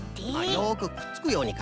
よくくっつくようにか。